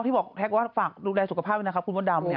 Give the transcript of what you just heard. ที่บอกแท็กว่าฝากดูแลสุขภาพด้วยนะครับคุณมดดำเนี่ย